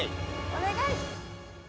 お願い！